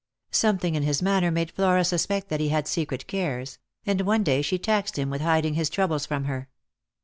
Something in his manner made Flora suspect that he had secret cares, and one day she taxed him with hiding his troubles from her.